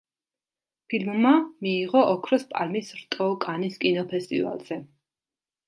ფილმმა მიიღო ოქროს პალმის რტო კანის კინოფესტივალზე.